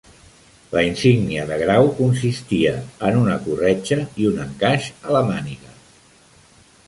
La insígnia de grau consistia en una corretja i un encaix a la màniga.